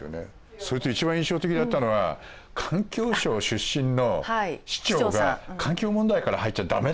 それと一番印象的だったのは環境省出身の市長が環境問題から入っちゃ駄目だという。